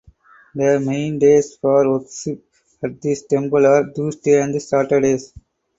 The main days for worship at this temple are Tuesdays and Saturdays.